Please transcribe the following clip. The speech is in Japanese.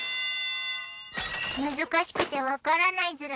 難しくてわからないズラ。